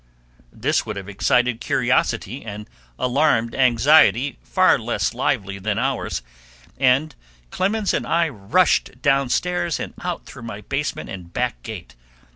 This would have excited curiosity and alarmed anxiety far less lively than ours, and Clemens and I rushed downstairs and out through my basement and back gate.